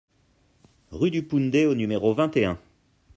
Rue du Poundet au numéro vingt et un